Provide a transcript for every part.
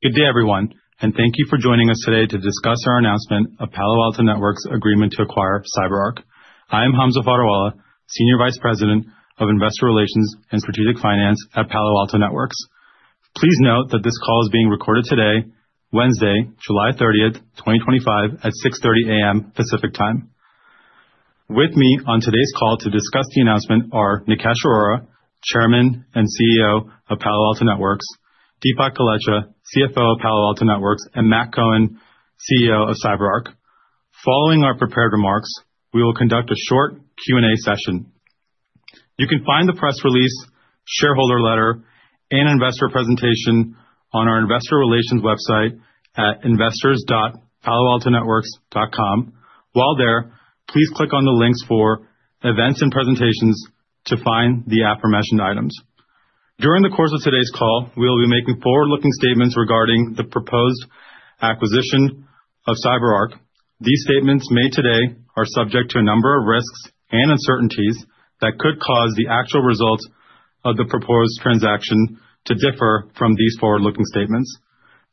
Good day everyone and thank you for joining us today to discuss our announcement of Palo Alto Networks' agreement to acquire CyberArk. I am Hamza Fodderwala, Senior Vice President of Investor Relations and Strategic Finance at Palo Alto Networks. Please note that this call is being recorded today, Wednesday, July 30, 2025 at 6:30 A.M. Pacific Time. With me on today's call to discuss the announcement are Nikesh Arora, Chairman and CEO of Palo Alto Networks, Dipak Golechha, CFO of Palo Alto Networks, and Matt Cohen, CEO of CyberArk. Following our prepared remarks, we will conduct a short Q and A session. You can find the press release, shareholder letter, and investor presentation on our investor relations website at investors.paloaltonetworks.com. While there, please click on the links for Events and Presentations to find the aforementioned items. During the course of today's call, we will be making forward-looking statements regarding the proposed acquisition of CyberArk. These statements made today are subject to a number of risks and uncertainties that could cause the actual results of the proposed transaction to differ from these forward-looking statements.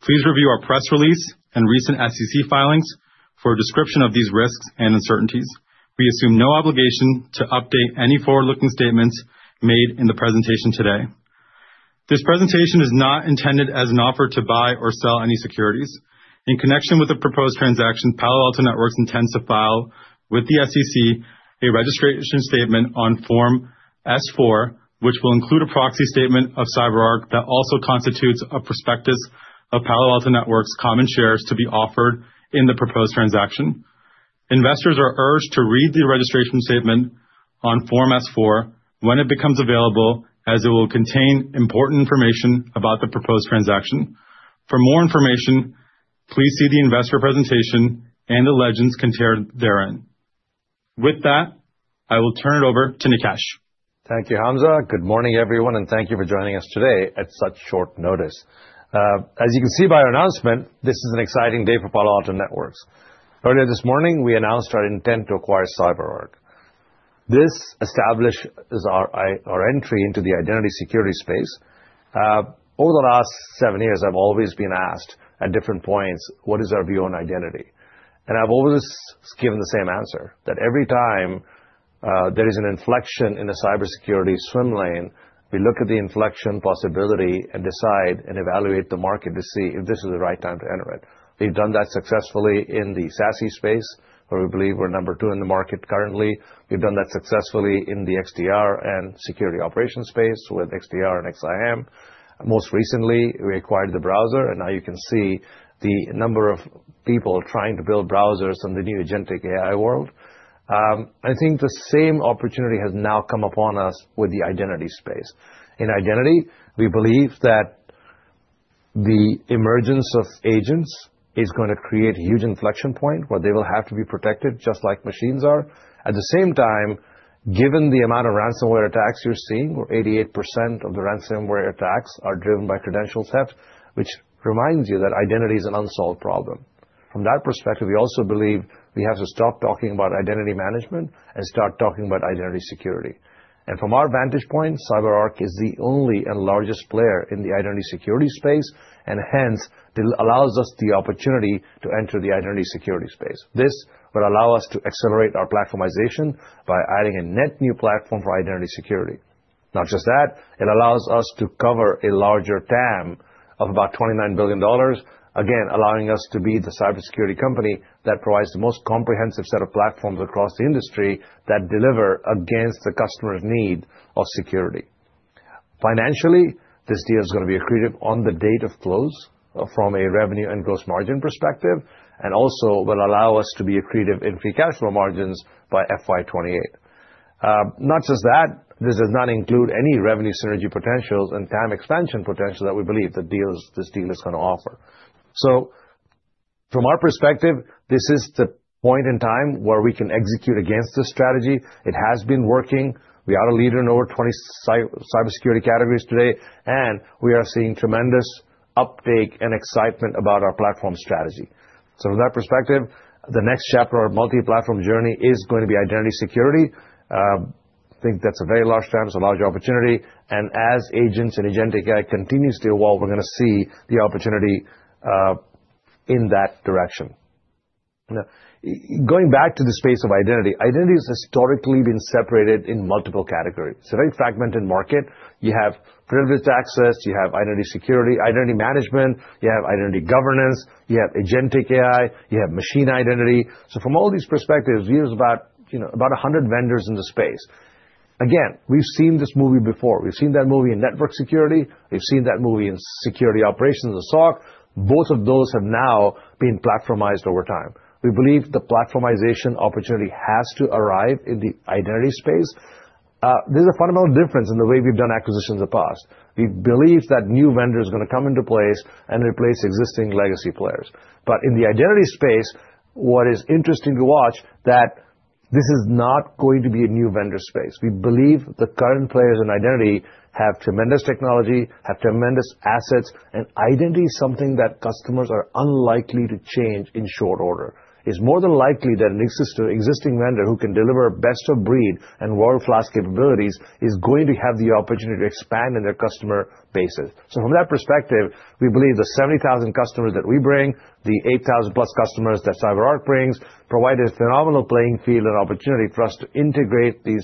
Please review our press release and recent SEC filings for a description of these risks and uncertainties. We assume no obligation to update any forward-looking statements made in the presentation today. This presentation is not intended as an offer to buy or sell any securities in connection with the proposed transaction. Palo Alto Networks intends to file with the SEC a registration statement on Form S-4, which will include a proxy statement of CyberArk that also constitutes a prospectus of Palo Alto Networks' common shares to be offered in the proposed transaction. Investors are urged to read the registration statement on Form S-4 when it becomes available as it will contain important information about the proposed transaction. For more information, please see the investor presentation and the legends contained therein. With that, I will turn it over to Nikesh. Thank you, Hamza. Good morning, everyone, and thank you for joining us today at such short notice. As you can see by our announcement, this is an exciting day for Palo Alto Networks. Earlier this morning, we announced our intent to acquire CyberArk. This establishes our entry into the identity security space. Over the last seven years, I've always been asked at different points what is our view on identity, and I've always given the same answer that every time there is an inflection in a cybersecurity swim lane, we look at the inflection possibility and decide and evaluate the market to see if this is the right time to enter it. We've done that successfully in the SASE space, where we believe we're number two in the market currently. We've done that successfully in the XDR and security operations space with XDR and XSIAM. Most recently, we acquired the browser, and now you can see the number of people trying to build browsers in the new agentic AI world. I think the same opportunity has now come upon us with the identity space. In identity, we believe that the emergence of agents is going to create a huge inflection point where they will have to be protected just like machines are. At the same time, given the amount of ransomware attacks you're seeing, 88% of the ransomware attacks are driven by credential theft, which reminds you that identity is an unsolved problem. From that perspective, we also believe we have to stop talking about identity management and start talking about identity security. From our vantage point, CyberArk is the only and largest player in the identity security space and hence allows us the opportunity to enter the identity security space. This will allow us to accelerate our platformization by adding a net new platform for identity security. Not just that, it allows us to cover a larger TAM of about $29 billion, again allowing us to be the cybersecurity company that provides the most comprehensive set of platforms across the industry that deliver against the customer's need of security. Financially, this deal is going to be accretive on the date of close from a revenue and gross margin perspective and also will allow us to be accretive in free cash flow margins by fiscal year 2028. Not just that, this does not include any revenue synergy potentials and TAM expansion potential that we believe this deal is going to offer. From our perspective, this is the point in time where we can execute against this strategy. It has been working. We are a leader in over 20 cybersecurity categories today and we are seeing tremendous uptake and excitement about our platform strategy. From that perspective, the next chapter of our multi-platform journey is going to be identity security. I think that's a very large TAM, it's a large opportunity. As agents and agentic AI continue to evolve, we're going to see the opportunity in that direction. Going back to the space of identity, identity has historically been separated in multiple categories. Very fragmented market. You have privileged access, you have identity security, identity management, you have identity governance, you have agentic AI, you have machine identity. From all these perspectives, there's about 100 vendors in the space. Again, we've seen this movie before. We've seen that movie in network security, we've seen that movie in security operations and SOC, both of those have now been platformized over time. We believe the platformization opportunity has to arrive in the identity space. There's a fundamental difference in the way we've done acquisitions in the past. We believe that new vendors are going to come into place and replace existing legacy players. In the identity space, what is interesting to watch is that this is not going to be a new vendor space. We believe the current players in identity have tremendous technology, have tremendous assets, and identity is something that customers are unlikely to change in short order. It's more than likely that an existing vendor who can deliver best-of-breed and world-class capabilities is going to have the opportunity to expand on their customer bases. From that perspective, we believe the 70,000 customers that we bring, the 8,000-plus customers that CyberArk brings, provide a phenomenal playing field and opportunity for us to integrate these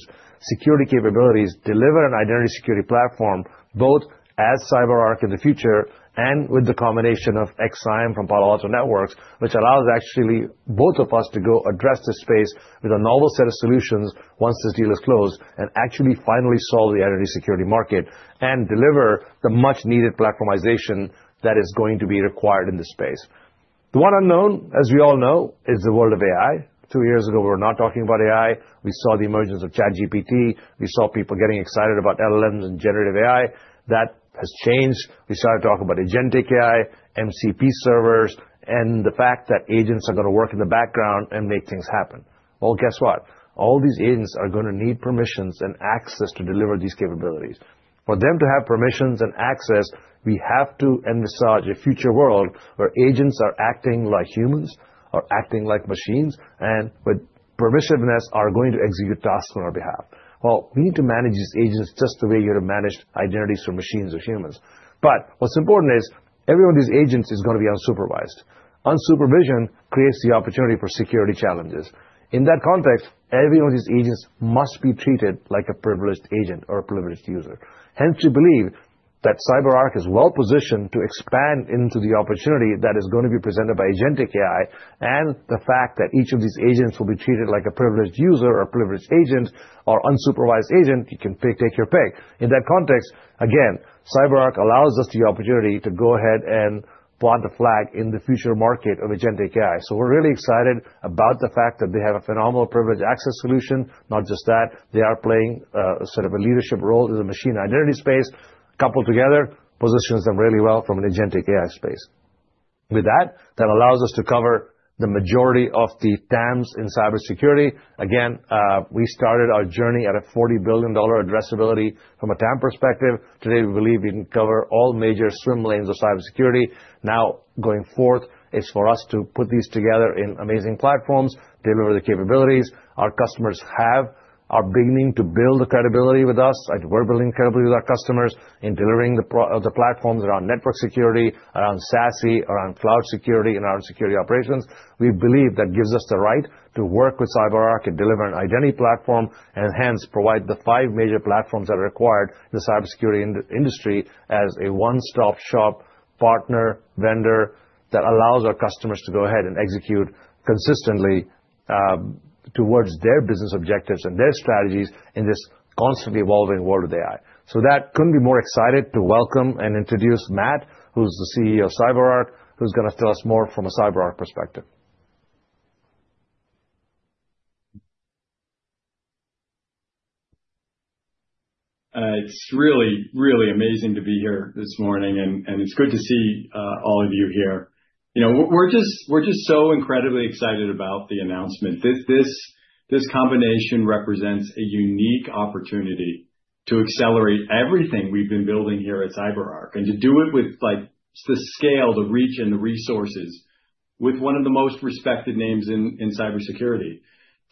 security capabilities, deliver an identity security platform both as CyberArk in the future and with the combination of XSIAM from Palo Alto Networks, which allows actually both of us to go address the space with a novel set of solutions once this deal is closed and actually finally solve the identity security market and deliver the much-needed platformization that is going to be required in this space. The one unknown, as we all know, is the world of AI. Two years ago we were not talking about AI. We saw the emergence of ChatGPT. We saw people getting excited about LLMs and generative AI. That has changed. We started talking about agentic AI, MCP servers and the fact that agents are going to work in the background and make things happen. Guess what? All these agents are going to need permissions and access to deliver these capabilities. For them to have permissions and access, we have to envisage a future world where agents are acting like humans or acting like machines and with permissiveness are going to execute tasks on our behalf. We need to manage these agents just the way you would have managed identities for machines or humans. What's important is every one of these agents is going to be unsupervised. Unsupervised creates the opportunity for security challenges. In that context, every one of these agents must be treated like a privileged agent or a privileged user. Hence, we believe that CyberArk is well positioned to expand into the opportunity that is going to be presented by agentic AI. The fact that each of these agents will be treated like a privileged user or privileged agent or unsupervised agent, take your pick. In that context, again, CyberArk allows us the opportunity to go ahead and plot a flag in the future market of agentic AI. We're really excited about the fact that they have a phenomenal privileged access solution. Not just that, they are playing sort of a leadership role in the machine identity space, coupled together positions them really well from an agentic AI space. With that, that allows us to cover the majority of the TAMs in cybersecurity again. We started our journey at a $40 billion addressability from a TAM perspective. Today we believe we can cover all major swim lanes of cybersecurity now going forth. It's for us to put these together in amazing platforms, deliver the capabilities our customers have, are beginning to build the credibility with us. We're building credibility with our customers in delivering the platforms around network security, around SASE, around cloud security and our security operations. We believe that gives us the right to work with CyberArk and deliver an identity platform and hence provide the five major platforms that are required in the cybersecurity industry as a one stop shop partner vendor that allows our customers to go ahead and execute consistently towards their business objectives and their strategies in this constantly evolving world of AI. That couldn't be more excited to welcome and introduce Matt, who's the CEO of CyberArk, who's going to tell us more from a CyberArk perspective. It's really, really amazing to be here this morning and it's good to see. All of you here. You know, we're just so incredibly excited about the announcement. This combination represents a unique opportunity to accelerate everything we've been building here at CyberArk and to do it with the scale, the reach, and the resources with one of the most respected names in cybersecurity.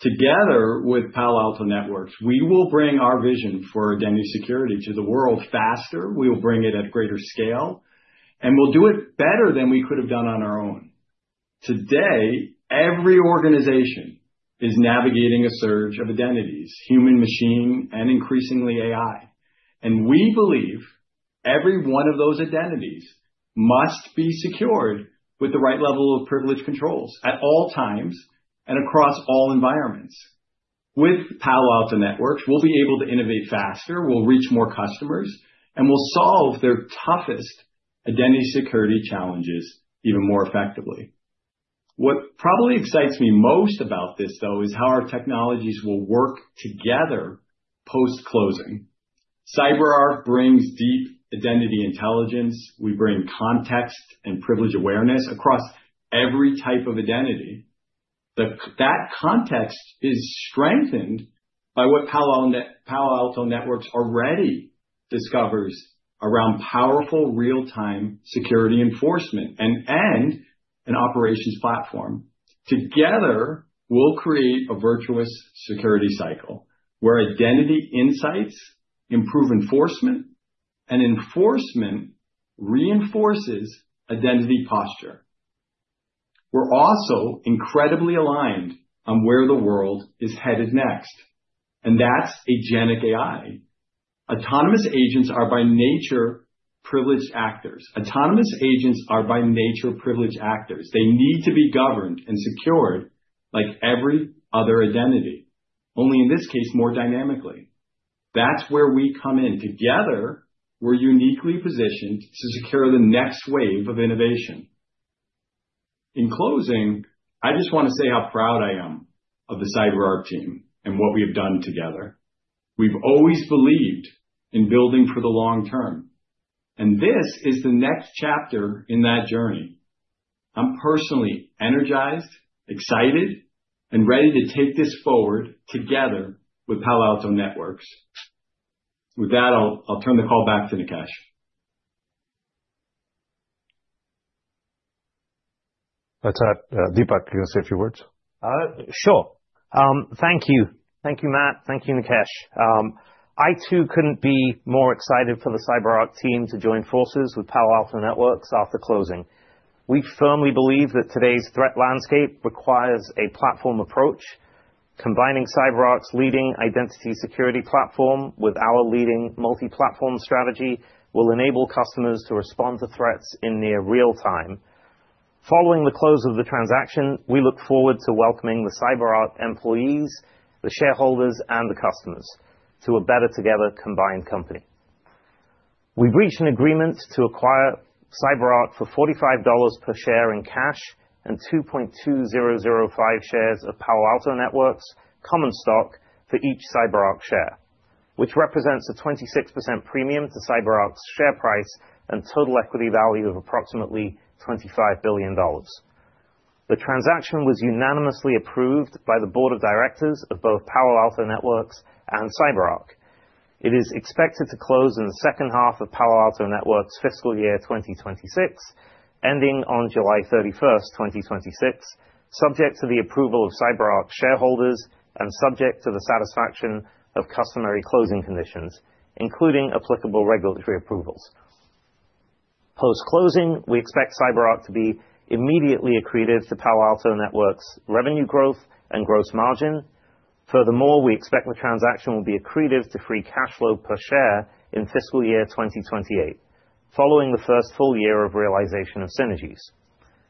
Together with Palo Alto Networks, we will bring our vision for identity security to the world faster. We will bring it at greater scale and we'll do it better than we could have done on our own. Today, every organization is navigating a surge of identities, human, machine, and increasingly AI. We believe every one of those identities must be secured with the right level of privilege controls at all times and across all environments. With Palo Alto Networks, we'll be able to innovate faster, we'll reach more customers, and we'll solve their toughest identity security challenges even more effectively. What probably excites me most about this, though, is how our technologies will work together. Post closing, CyberArk brings deep identity intelligence. We bring context and privilege awareness across every type of identity. That context is strengthened by what Palo Alto Networks already discovers around powerful real-time security enforcement and an operations platform. Together, we'll create a virtuous security cycle where identity insights improve enforcement and enforcement reinforces identity posture. We're also incredibly aligned on where the world is headed next, and that's agentic AI. Autonomous agents are by nature privileged actors. They need to be governed and secured like every other identity, only in this case more dynamically. That's where we come in together. We're uniquely positioned to secure the next wave of innovation. In closing, I just want to say how proud I am of the CyberArk team and what we have done together. We've always believed in building for the long term and this is the next chapter in that journey. I'm personally energized, excited, and ready to take this forward together with Palo Alto Networks. With that, I'll turn the call back to Nikesh. Dipak Golechha, can you say a few words? Sure. Thank you. Thank you, Matt. Thank you, Nikesh. I too couldn't be more excited for the CyberArk team to join forces with Palo Alto Networks after closing. We firmly believe that today's threat landscape requires a platform approach, combining CyberArk's leading identity security platform with our leading multi-platform strategy and will enable customers to respond to threats in near real time. Following the close of the transaction, we look forward to welcoming the CyberArk employees, the shareholders, and the customers to a better, together combined company. We've reached an agreement to acquire CyberArk for $45 per share in cash and 2.2005 shares of Palo Alto Networks common stock for each CyberArk share, which represents a 26% premium to CyberArk's share price and total equity value of approximately $25 billion. The transaction was unanimously approved by the Board of Directors of both Palo Alto Networks and CyberArk. It is expected to close in the second half of Palo Alto Networks' fiscal year 2026 ending on July 31, 2026, subject to the approval of CyberArk shareholders and subject to the satisfaction of customary closing conditions, including applicable regulatory approvals. Post closing, we expect CyberArk to be immediately accretive to Palo Alto Networks' revenue growth and gross margin. Furthermore, we expect the transaction will be accretive to free cash flow per share in fiscal year 2028 following the first full year of realization of synergies.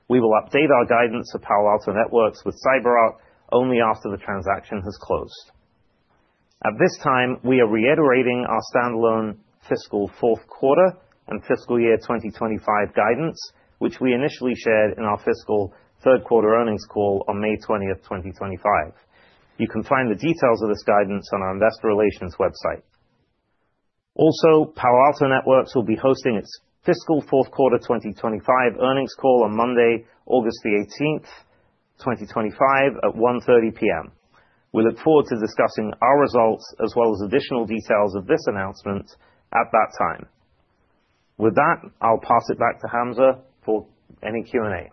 We will update our guidance for Palo Alto Networks with CyberArk only after the transaction has closed. At this time, we are reiterating our standalone fiscal fourth quarter and fiscal year 2025 guidance, which we initially shared in our fiscal third quarter earnings call on May 20, 2025. You can find the details of this guidance on our investor relations website. Also, Palo Alto Networks will be hosting its fiscal fourth quarter 2025 earnings call on Monday, August 18, 2025 at 1:30 P.M. We look forward to discussing our results as well as additional details of this announcement at that time. With that, I'll pass it back to Hamza for any Q and A.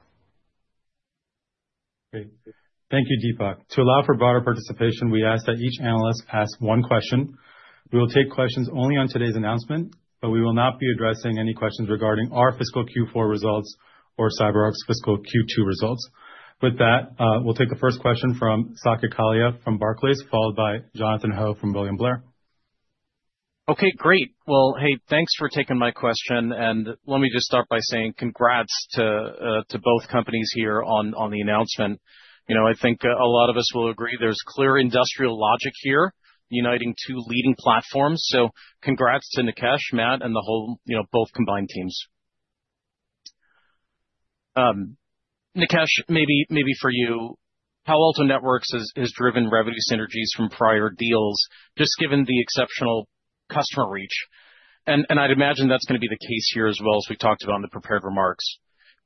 Thank you, Dipak Golechha. To allow for broader participation, we ask that each analyst ask one question. We will take questions only on today's announcement, but we will not be addressing any questions regarding our fiscal Q4 results or CyberArk's fiscal Q2 results. With that, we'll take the first question from Saket Kalia from Barclays, followed by Jonathan Ho from William Blair. Okay, great. Hey, thanks for taking my question and let me just start by saying congrats to both companies here on the announcement. You know, I think a lot of us will agree there's clear industrial logic here uniting two leading platforms. Congrats to Nikesh, Matt, and the whole, you know, both combined teams. Nikesh, maybe for you, how Palo Alto Networks has driven revenue synergies from prior deals just given the exceptional customer reach. I'd imagine that's going to be the case here as well as we. Talked about in the prepared remarks.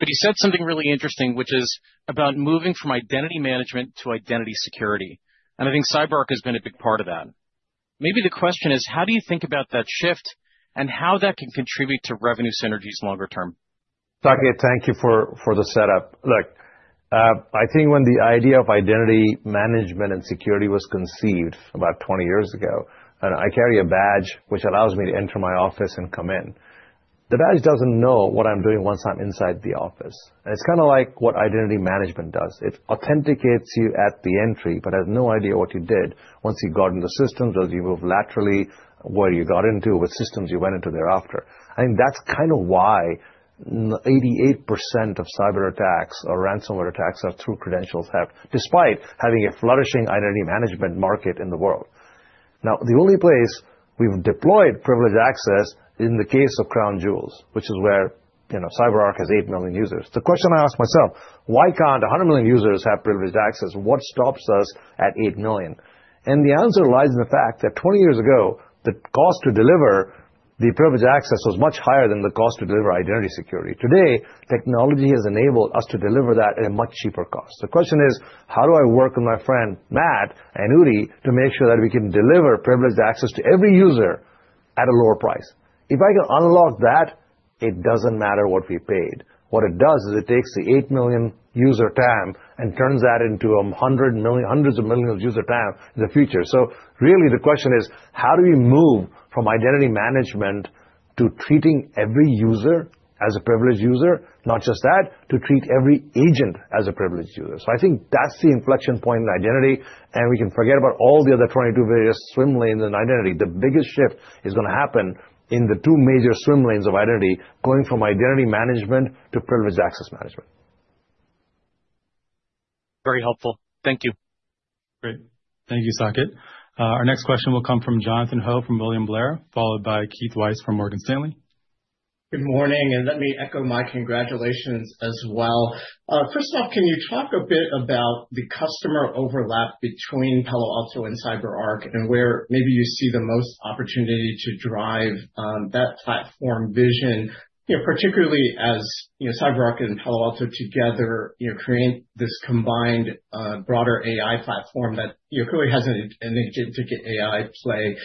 You said something really interesting which is about moving from identity management to identity security and I think CyberArk has. Been a big part of that. Maybe the question is how do you think about that shift and how that can contribute to revenue synergies longer term. Thank you for the setup. Look, I think when the idea of identity management and security was conceived about 20 years ago, I carry a badge which allows me to enter my office and come in. The badge doesn't know what I'm doing once I'm inside the office. It's kind of like what identity management does. It authenticates you at the entry but has no idea what you did or once you got in the systems. As you move laterally where you got into, what systems you went into thereafter. I think that's kind of why 88% of cyber attacks or ransomware attacks are through credentials. Despite having a flourishing identity management market in the world now, the only place we've deployed privileged access in the case of Crown Jewels, which is where CyberArk has 8 million users. The question I ask myself, why can't 100 million users have privileged access? What stops us at 8 million? And the answer lies in the fact that 20 years ago the cost to deliver the privileged access was much higher than the cost to deliver identity security today. Technology has enabled us to deliver that at a much cheaper cost. The question is, how do I work with my friend Matt and UDI to make sure that we can deliver privileged access to every user at a lower price? If I can unlock that, it doesn't matter what we paid. What it does is it takes the 8 million user TAM and turns that into hundreds of millions of user TAM in the future. Really the question is how do we move from identity management to treating every user as a privileged user? Not just that, to treat every agent as a privileged user. I think that's the inflection point in identity and we can forget about all the other 22 various swim lanes in identity. The biggest shift is going to happen in the two major swim lanes of identity going from identity management to privileged access management. Very helpful. Thank you. Great. Thank you, Saket. Our next question will come from Jonathan Ho from William Blair, followed by Keith Weiss from Morgan Stanley. Good morning. Let me echo my congratulations as well. First off, can you talk a bit about the customer overlap between Palo Alto Networks and CyberArk and where maybe you see the most opportunity to drive that platform vision too, particularly as CyberArk and Palo Alto Networks together create this combined broader AI platform that clearly has an intricate AI play.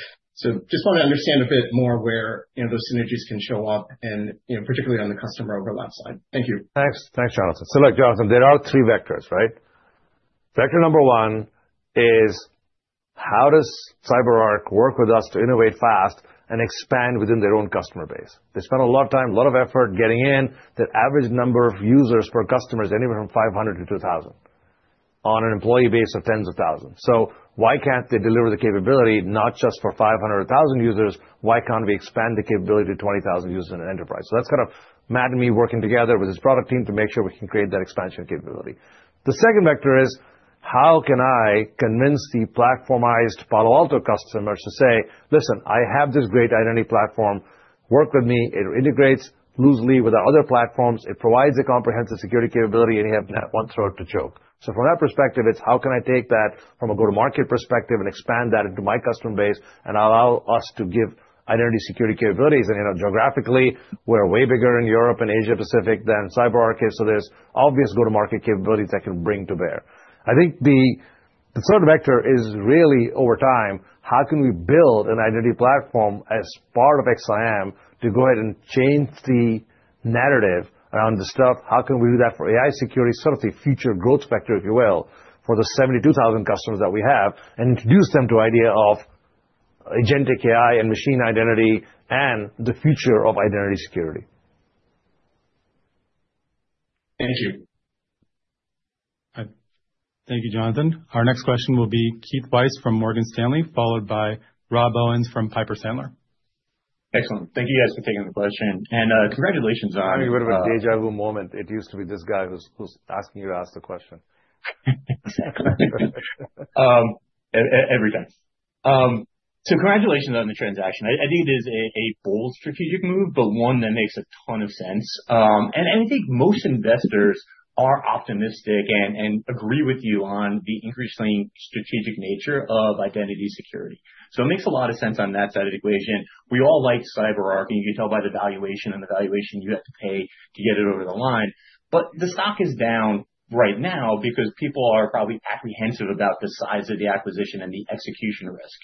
I just want to understand a bit more where those synergies can show up and particularly on the customer overlap side. Thank you. Thanks, Jonathan. Look, Jonathan, there are three vectors, right? Vector number one is how does CyberArk work with us to innovate fast and expand within their own customer base? They spend a lot of time, a lot of effort getting in. The average number of users per customer is anywhere from 500 to 2,000 on an employee base of tens of thousands. Why can't they deliver the capability not just for 500, 2,000 users, why can't we expand the capability to 20,000 users in an enterprise? That is kind of Matt and me working together with his product team to make sure we can create that expansion capability. The second vector is how can I convince the platformized Palo Alto customers to say, listen, I have this great identity platform, work with me. It integrates loosely with our other platforms, it provides a comprehensive security capability and you have one throat to choke. From that perspective, it is how can I take that from a go to market perspective and expand that into my customer base and allow us to give identity security capabilities? You know, geographically we are way bigger in Europe and Asia Pacific than CyberArk is. There are obvious go to market capabilities that can bring to bear. The third vector is really over time. How can we build an identity platform as part of XSIAM to go ahead and change the narrative around the stuff? How can we do that for AI security? Sort of the future growth factor, if you will, for the 72,000 customers that we have and introduce them to the idea of agentic AI and machine identity and the future of identity security. Thank you. Thank you, Jonathan. Our next question will be Keith Weiss from Morgan Stanley, followed by Rob Owens from Piper Sandler. Excellent. Thank you guys for taking the question and congratulations on having a bit of. A deja vu moment. It used to be this guy who's asking you to ask the question exactly. Every time. Congratulations on the transaction. I think it is a bold strategic move, but one that makes a ton of sense. I think most investors are optimistic and agree with you on the increasing strategic nature of identity security. It makes a lot of sense on that side of the equation. We all like CyberArk and you can tell by the valuation and the valuation you have to pay to get it over the line. The stock is down right now because people are probably apprehensive about the size of the acquisition and the execution risk.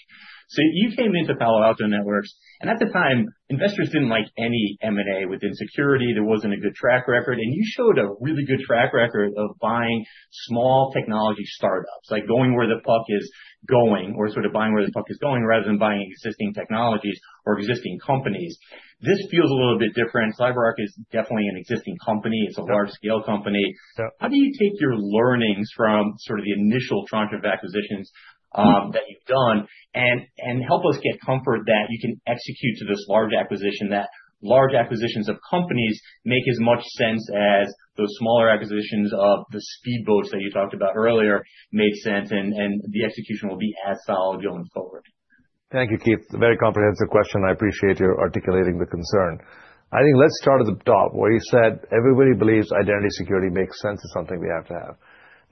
You came into Palo Alto Networks and at the time investors did not like any M&A within security. There was not a good track record and you showed a really good track record of buying small technology startups, like going where the puck is going or sort of buying where the puck is going rather than buying existing technologies or existing companies. This feels a little bit different. CyberArk is definitely an existing company. It is a large scale company. How do you take your learnings from sort of the initial tranche of acquisitions that you have done and help us get comfort that you can execute to this large acquisition, that large acquisitions of companies make as much sense as large. Those smaller acquisitions of the speedboats that you talked about earlier made sense and the execution will be as solid going forward. Thank you, Keith. Very comprehensive question. I appreciate your articulating the concern. I think let's start at the top where you said everybody believes identity security makes sense, is something we have to have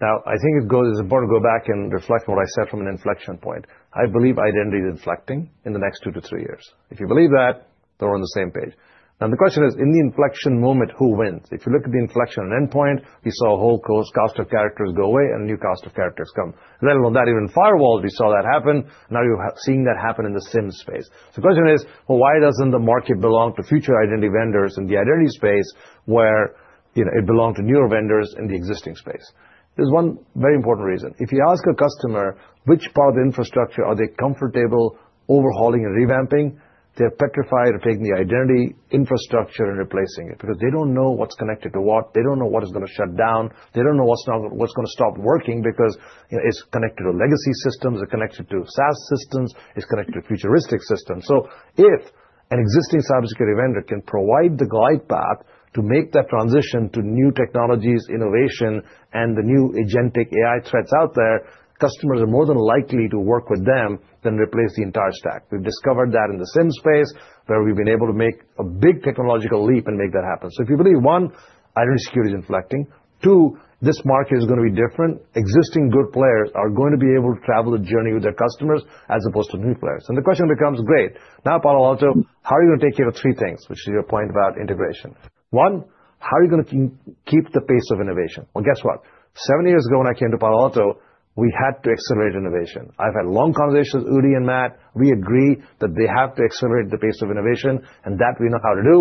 now. I think it's important to go back and reflect what I said from an inflection point. I believe identity is inflecting in the next two to three years. If you believe that, they're on the same page. The question is, in the inflection moment, who wins? If you look at the inflection endpoint, we saw a whole cast of characters go away and a new cast of characters come, let alone that even firewalls. We saw that happen. Now you're seeing that happen in the SIEM space. The question is, why doesn't the market belong to future identity vendors in the identity space where it belonged to newer vendors in the existing space? There's one very important reason. If you ask a customer which part of the infrastructure are they comfortable overhauling and revamping, they're petrified of taking the identity infrastructure and replacing it because they don't know what's connected to what. They don't know what is going to shut down, they don't know what's going to stop working because it's connected to legacy systems, it's connected to SaaS systems, it's connected to futuristic systems. If an existing cybersecurity vendor can provide the glide path to make that transition to new technologies, innovation, and the new agentic AI threats out there, customers are more than likely to work with them than replace the entire stack. We've discovered that in the SIEM space where we've been able to make a big technological leap and make that happen. If you believe, one, identity security is inflecting. Two, this market is going to be different. Existing good players are going to be able to travel the journey with their customers as opposed to new players. The question becomes, great. Now Palo Alto, how are you going to take care of three things, which is your point about integration? One, how are you going to keep the pace of innovation? Guess what? Seven years ago when I came to Palo Alto, we had to accelerate innovation. I've had long conversations, Udi and Matt, we agree that they have to accelerate the pace of innovation and that we know how to do.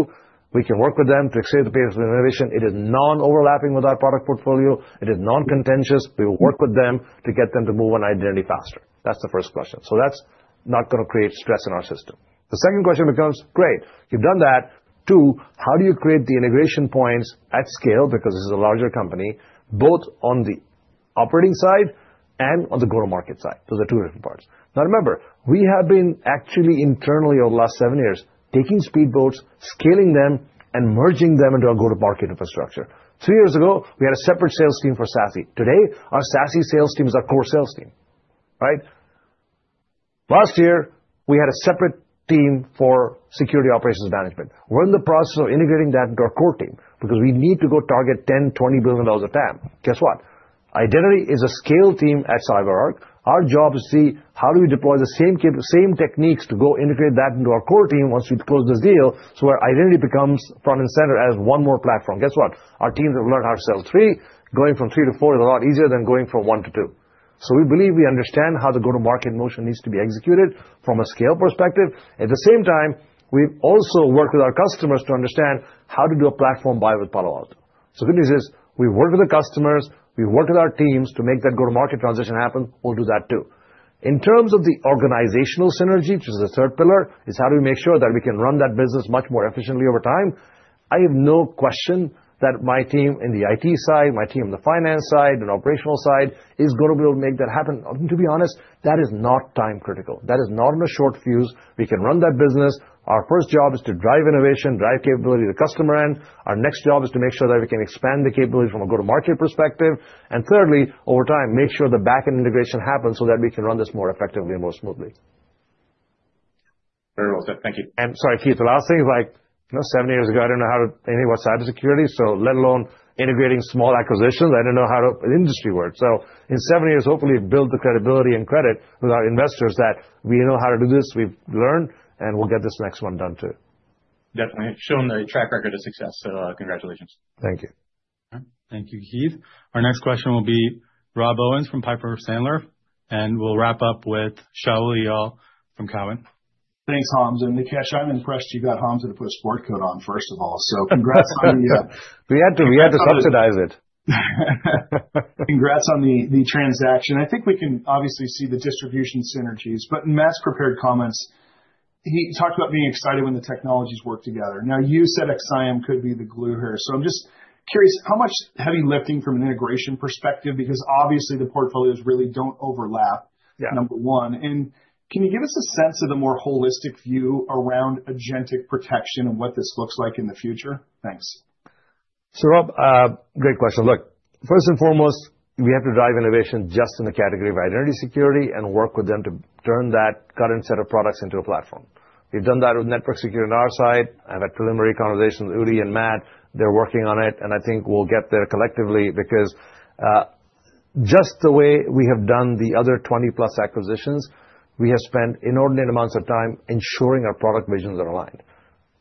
We can work with them to accelerate the pace of innovation. It is non-overlapping with our product portfolio. It is non-contentious. We work with them to get them to move on identity faster. That's the first question. So that's not going to create stress in our system. The second question becomes, great, you've done that. Two, how do you create the integration points at scale? Because this is a larger company both on the operating side and on the go to market side. Those are two different parts. Now remember we have been actually internally over the last seven years taking speedboats, scaling them and merging them into our go to market infrastructure. Three years ago we had a separate sales team for SASE. Today our SASE sales team is our core sales team. Right. Last year we had a separate team for security operations management. We're in the process of integrating that into our core team because we need to go target $10 billion-$20 billion of TAM. Guess what, identity is a scale team. At CyberArk, our job is to see how do we deploy the same techniques to go integrate that into our core team once we close this deal. So our identity becomes front and center as one more platform. Guess what, our teams have learned how to sell three. Going from three to four is a lot easier than going from one to two. So we believe we understand how the go to market motion needs to be executed from a scale perspective. At the same time we also work with our customers to understand how to do a platform buy with Palo Alto. The good news is we work with the customers, we work with our teams to make that go to market transition happen. We'll do that too. In terms of the organizational synergy, which is the third pillar, is how do we make sure that we can run that business much more efficiently over time. I have no question that my team in the IT side, my team in the finance side and operational side is going to be able to make that happen. To be honest, that is not time critical, that is not in a short fuse. We can run that business. Our first job is to drive innovation, drive capability to customer end. Our next job is to make sure that we can expand the capability from a go to market perspective. And thirdly, over time make sure the back end integration happens so that we can run this more effectively and more smoothly. Very well said. Thank you. Sorry, Keith. The last thing is like seven years ago I didn't know anything about cybersecurity, so let alone integrating small acquisitions. I didn't know how industry works. In seven years, hopefully build the credibility and credit with our investors that we know how to do this. We've learned and we'll get this next one done too. Definitely shown the track record of success. Congratulations. Thank you. Thank you, Keith. Our next question will be Rob Owens from Piper Sandler and we'll wrap up with Shaul Eyal from Cowen. Thanks. Hamza Nikesh. I'm impressed you got Hamza to put. A sport coat on first of all. So congrats on we had to subsidize it. Congrats on the transaction. I think we can obviously see the distribution synergies, but in Matt's prepared comments he talked about being excited when the technologies work together. Now, you said XSIAM could be the glue here. I'm just curious how much heavy lifting from an integration perspective, because obviously the portfolios really do not overlap, number one. Can you give us a sense. Of the more holistic view around agentic protection and what this looks like in the future. Thanks. Rob, great question. Look, first and foremost we have to drive innovation just in the category of identity security and work with them to turn that current set of products into a platform. We have done that with network security on our side. I have had preliminary conversations with Udi and Matt. They are working on it and I think we will get there collectively because just the way we have done the other 20-plus acquisitions, we have spent inordinate amounts of time ensuring our product visions are aligned.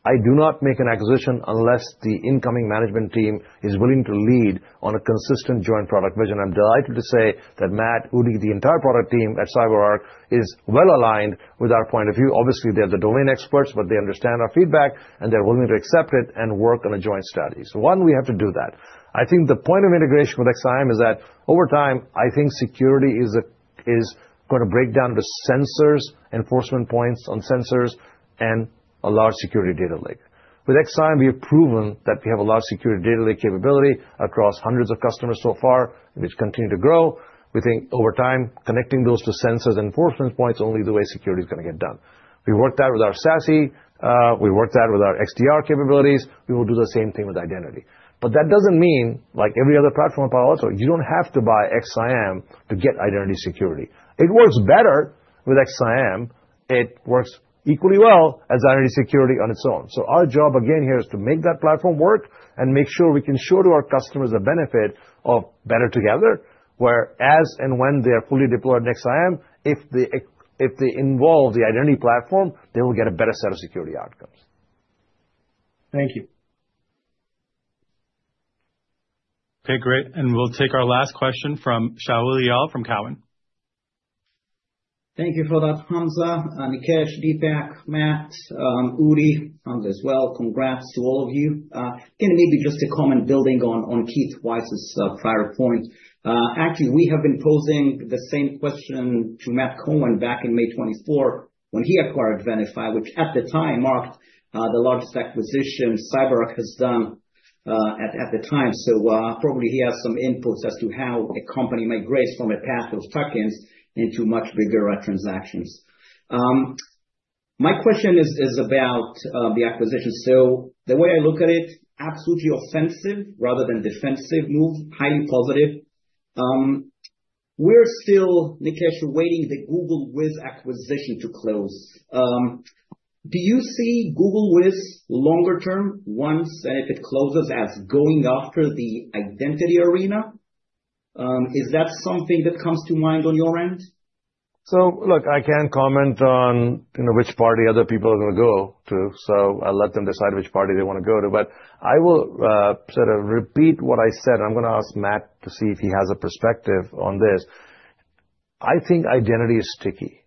I do not make an acquisition unless the incoming management team is willing to lead on a consistent joint product vision. I am delighted to say that Matt, Udi, the entire product team at CyberArk is well aligned with our point of view. Obviously they are the domain experts, but they understand our feedback and they are willing to accept it and work on a joint strategy. One, we have to do that. I think the point of integration with XSIAM is that over time I think security is going to break down the sensors, enforcement points on sensors, and a large security data lake. With XSIAM we have proven that we have a large security data lake capability across hundreds of customers so far, which continues to grow. We think over time connecting those to sensors, enforcement points, only the way security is going to get done. We work that with our SASE, we work that with our XDR capabilities. We will do the same thing with identity. That does not mean like every other platform. Palo Alto, you do not have to buy XSIAM to get identity security. It works better with XSIAM. It works equally well as identity security on its own. Our job again here is to make that platform work and make sure we can show to our customers the benefit of better together, where as and when they are fully deployed XSIAM, if they involve the identity platform, they will get a better set of security outcomes. Thank you. Okay, great. We'll take our last question from Shaul Eyal from Cowen & Company. Thank you for that. Hamza, Nikesh, Dipak, Matt, Uri, Hamza as well. Congrats to all of you. Maybe just a comment building on Keith Weiss's prior point. Actually we have been posing the same question to Matt Cohen back in May 24 when he acquired Venafi, which at the time marked the largest acquisition CyberArk has done at the time. So probably he has some inputs as to how a company migrates from a path of tuck-ins into much bigger transactions. My question is about the acquisition. The way I look at it, absolutely offensive rather than defensive move, highly positive. We're still, Nikesh, waiting for the Google Wiz acquisition to close. Do you see Google Wiz longer term, once and if it closes, as going after the identity arena? Is that something that comes to mind on your end? Look, I can't comment on which party other people are going to go to, so I'll let them decide which party they want to go to. I will sort of repeat what I said. I'm going to ask Matt to see if he has a perspective on this. I think identity is sticky.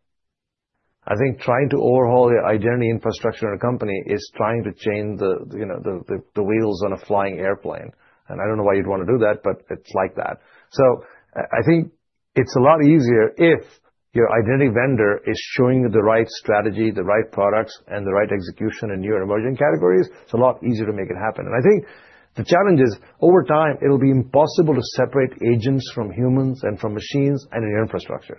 I think trying to overhaul the identity infrastructure in a company is trying to change the wheels on a flying airplane. I don't know why you'd want to do that, but it's like that. I think it's a lot easier if your identity vendor is showing you the right strategy, the right products, and the right execution in your emerging categories. It's a lot easier to make it happen. I think the challenges of over time, it will be impossible to separate agents from humans and from machines and infrastructure.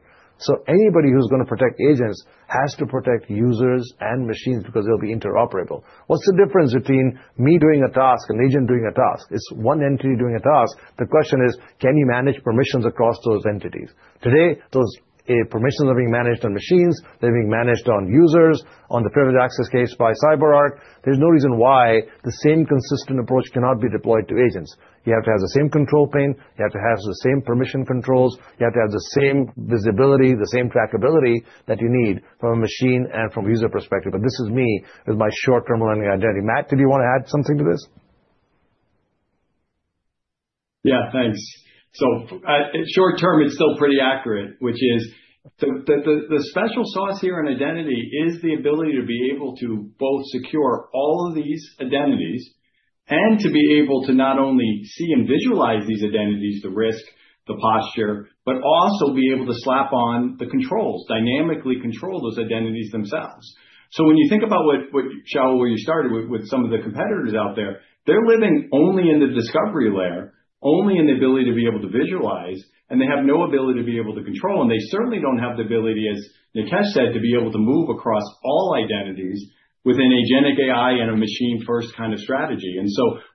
Anybody who's going to protect agents has to protect users and machines because they'll be interoperable. What's the difference between me doing a task and an agent doing a task? It's one entity doing a task. The question is, can you manage permissions across those entities? Today those permissions are being managed on machines, they're being managed on users. On the privileged access case by CyberArk, there's no reason why the same consistent approach cannot be deployed to agents. You have to have the same control plane, you have to have the same permission controls, you have to have the same visibility, the same trackability that you need from a machine and from a user perspective. This is me with my short-term learning identity. Matt, did you want to add something to this? Yeah, thanks. Short term it's still pretty accurate. Which is the special sauce here in identity is the ability to be able to both secure all of these ident and to be able to not only see and visualize these identities, the risk, the posture, but also be able to slap on the controls, dynamically control those identities themselves. When you think about Shaul, where you started with some of the competitors out there, they're living only in the discovery layer, only in the ability to be able to visualize and they have no ability to be able to control and they certainly don't have the ability. As Nikesh said, to be able to. Move across all identities and within agency and a machine-first kind of strategy.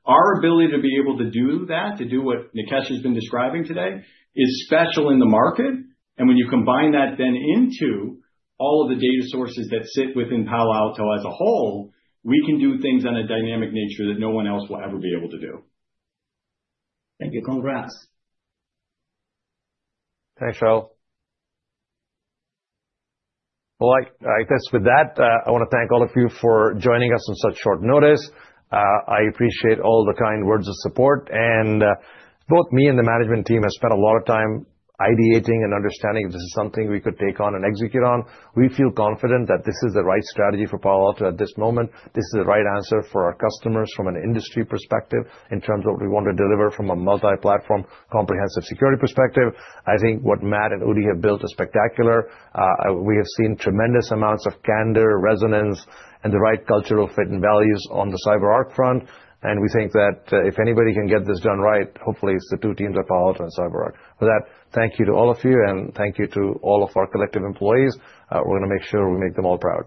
Our ability to be able to do that, to do what Nikesh has been describing today, is special in the market. When you combine that then into all of the data sources that sit within Palo Alto Networks as a whole, we can do things on a dynamic nature that no one else will ever be able to do. Thank you. Congrats. Thanks, Raul. I guess with that I want to thank all of you for joining us on such short notice. I appreciate all the kind words of support and both me and the management team have spent a lot of time ideating and understanding if this is something we could take on and execute on. We feel confident that this is the right strategy for Palo Alto Networks at this moment. This is the right answer for our customers from an industry perspective in terms of what we want to deliver from a multi platform comprehensive security perspective. I think what Matt and Udi have built is spectacular. We have seen tremendous amounts of candor, resonance and the right cultural fit and values on the CyberArk front. We think that if anybody can get this done right, hopefully it is the two teams at Palo Alto Networks and CyberArk. For that, thank you to all of you and thank you to all of our collective employees. We are going to make sure we make them all proud.